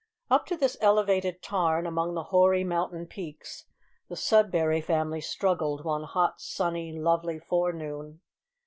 Up to this elevated tarn, among the hoary mountain peaks, the Sudberry Family struggled one hot, sunny, lovely forenoon.